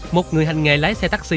một người hành nghề lái xe taxi